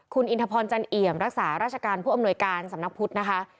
คุณอินทพรจันเอี่ยมรักษาราชการผู้อำนวยการสำนักพุทธนะคะ